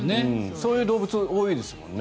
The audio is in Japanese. そういう動物多いですよね。